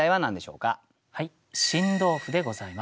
はい「新豆腐」でございます。